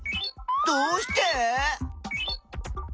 どうして！？